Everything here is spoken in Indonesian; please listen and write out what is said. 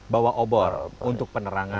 bawa obor untuk penerangan